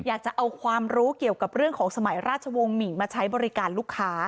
อยากจะเอาความรู้เกี่ยวกับเรื่องของสมัยราชวงศ์หมิ่งมาใช้บริการลูกค้า